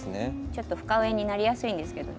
ちょっと深植えになりやすいんですけど。